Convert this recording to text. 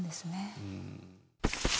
うん。